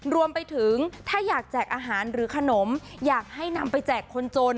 รวมไปถึงถ้าอยากแจกอาหารหรือขนมอยากให้นำไปแจกคนจน